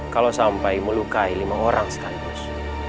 kalau sampai melukai lima orang sekaligus